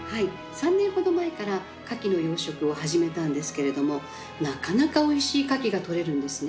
３年ほど前からカキの養殖を始めたんですけれどもなかなかおいしいカキがとれるんですね。